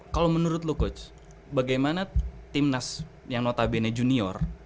kalau menurut lu coach bagaimana timnas yang notabene junior